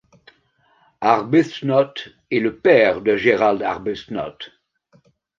Arbuthnot et le père de Gerald Arbuthnot.